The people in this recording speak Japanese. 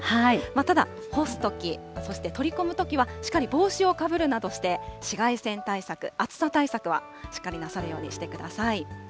ただ干すとき、そして取り込むときは、しっかり帽子をかぶるなどして紫外線対策、暑さ対策はしっかりなさるようにしてください。